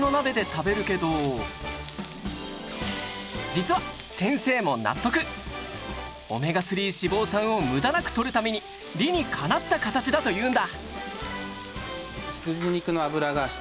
ちょっと実は先生も納得オメガ３脂肪酸を無駄なくとるために理にかなった形だというんだ。